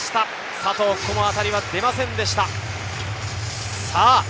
佐藤、ここも当たりは出ませんでした。